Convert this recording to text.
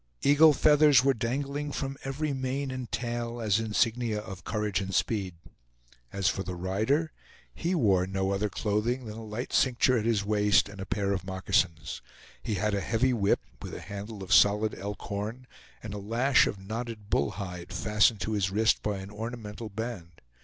Eagle feathers were dangling from every mane and tail, as insignia of courage and speed. As for the rider, he wore no other clothing than a light cincture at his waist, and a pair of moccasins. He had a heavy whip, with a handle of solid elk horn, and a lash of knotted bull hide, fastened to his wrist by an ornamental band.